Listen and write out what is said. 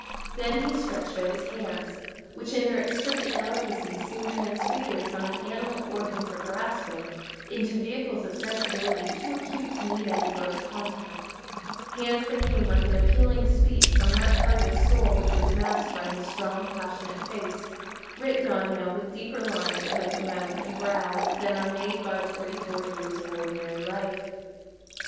Then he stretched out his hands, which, in their exquisite delicacy, seemed transfigured from an animal organ for grasping into vehicles of sensibility too acute to need any gross contact: hands that came like an appealing speech from that part of his soul which was masked by his strong passionate face, written on now with deeper lines about the mouth and brow than are made by forty four years of ordinary life.